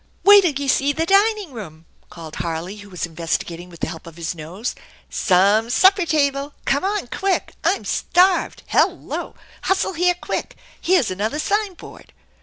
"Wait'll you see the dining room!" called Harley, who was investigating with the help of his nose. " Some supper tahle! Come on quick; I'm starved. Hello! Hustle here quick. Here's another sign board